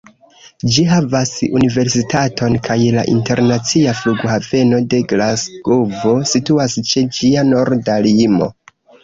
Ĝi havas universitaton, kaj la internacia flughaveno de Glasgovo situas ĉe ĝia norda limo.